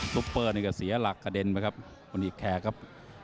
ปเปอร์นี่ก็เสียหลักกระเด็นไปครับวันนี้แคร์ครับ